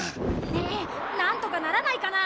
ねえなんとかならないかな？